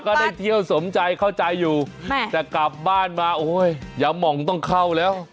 ก็ได้เที่ยวสมใจเข้าใจอยู่แต่กลับบ้านมาโอ้ยอย่าหม่องต้องเข้าแล้ว